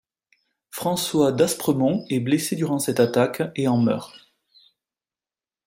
François d'Aspremont est blessé durant cette attaque et en meurt.